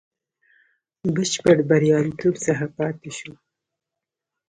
بشپړ بریالیتوب څخه پاته شو.